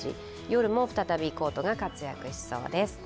夜も再びコートが活躍しそうです。